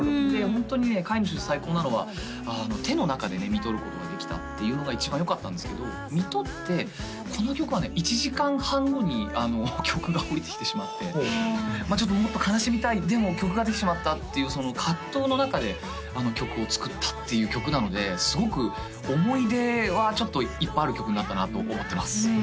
ホントにね飼い主として最高なのは手の中でねみとることができたっていうのが一番よかったんですけどみとってこの曲はね１時間半後に曲が降りてきてしまってまあもっと悲しみたいでも曲ができてしまったっていうその葛藤の中で曲を作ったっていう曲なのですごく思い出はいっぱいある曲になったなと思ってます